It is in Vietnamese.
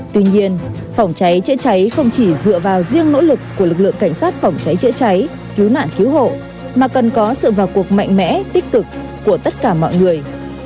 tuy nhiên phòng cháy chữa cháy không chỉ dựa vào riêng nỗ lực của lực lượng cảnh sát phòng cháy chữa cháy cứu nạn cứu hộ mà cần có sự vào cuộc mạnh mẽ tích cực của tất cả mọi người